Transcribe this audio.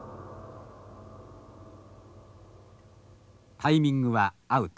タイミングはアウト。